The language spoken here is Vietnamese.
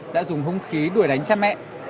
đã dùng hung khí đuổi đánh cha mẹ